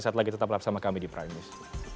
saat lagi tetaplah bersama kami di prime news